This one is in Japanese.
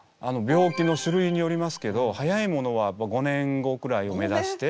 病気の種類によりますけど早いものは５年後くらいを目指して。